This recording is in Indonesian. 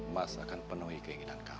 mas akan penuhi keinginan kami